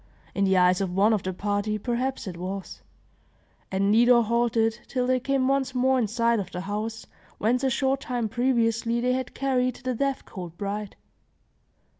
In the eyes of one of the party, perhaps it was; and neither halted till they came once more in sight of the house, whence a short time previously they had carried the death cold bride.